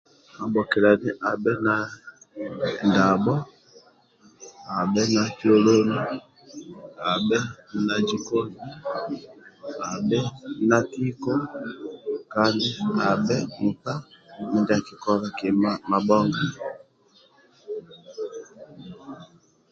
Agbokiliani abhe na ndabho abhe na kyoloni abhe na jikoni abhe na tiko kandi abhe nkpa mindia akikola kima amabhonga